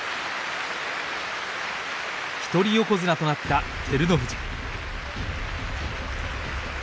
一人横綱となった照ノ富士。